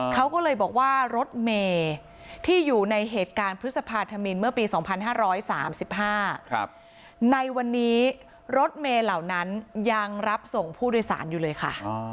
เขาก็เลยบอกว่ารถเมย์ที่อยู่ในเหตุการณ์พฤษภาธมินเมื่อปี๒๕๓๕ในวันนี้รถเมย์เหล่านั้นยังรับส่งผู้โดยสารอยู่เลยค่ะ